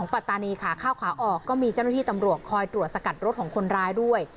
ปัตตานีขาเข้าขาออกก็มีเจ้าหน้าที่ตำรวจคอยตรวจสกัดรถของคนร้ายด้วย